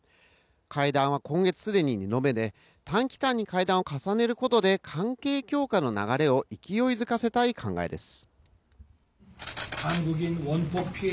会談は今月既に２度目で短期間に会談を重ねることで関係強化の流れを勢いづかせたい考えです。